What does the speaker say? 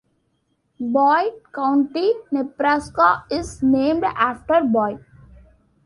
Boyd County, Nebraska is named after Boyd.